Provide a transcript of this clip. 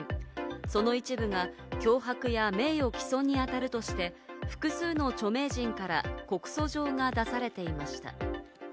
その一部が脅迫や名誉毀損にあたるとして、複数の著名人から告訴状が出されていました。